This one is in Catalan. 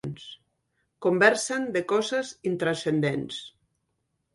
Conversen de coses intranscendents.